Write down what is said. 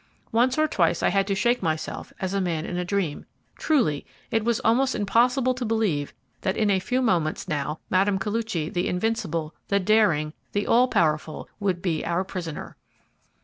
Once or twice I had to shake myself as a man in a dream. Truly, it was almost impossible to believe that in a few moments now Mme. Koluchy, the invincible, the daring, the all powerful, would be our prisoner.